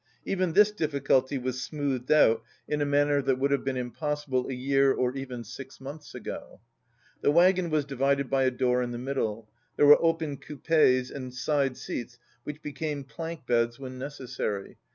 Even this difficulty was smoothed out in a manner that 20 would have been impossible a year or even six months ago. The wagon was divided by a door in the middle. There were open coupes and side seats which be came plank beds when necessary.